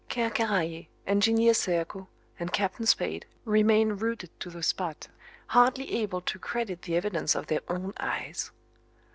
Ker Karraje, Engineer Serko, and Captain Spade remain rooted to the spot, hardly able to credit the evidence of their own eyes.